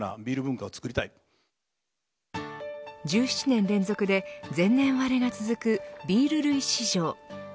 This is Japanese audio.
１７年連続で前年割れが続くビール類市場。